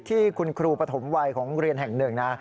ที่คุณครูปฐมวัยของโรงเรียนแห่งหนึ่งนะ